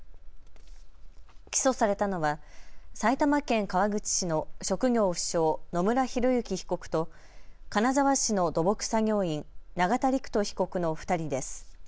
起訴されたのは埼玉県川口市の職業不詳、野村広之被告と金沢市の土木作業員、永田陸人被告の２人です。